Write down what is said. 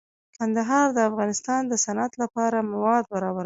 کندهار د افغانستان د صنعت لپاره مواد برابروي.